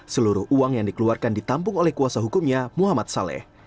seluruh uang yang dikeluarkan ditampung oleh kuasa hukumnya muhammad saleh